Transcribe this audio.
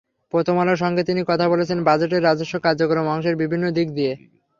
প্রথমআলোর সঙ্গে তিনি কথা বলেছেন বাজেটের রাজস্ব কার্যক্রম অংশের বিভিন্ন দিক নিয়ে।